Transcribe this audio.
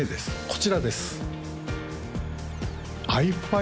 こちらです